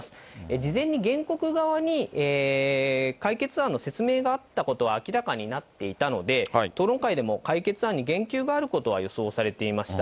事前に原告側に解決案の説明があったことは明らかになっていたので、討論会でも、解決案に言及があることは予想されていました。